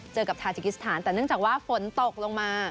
เจอกับทาจิกิสถานแต่เนื่องจากว่าฝนตกลงมา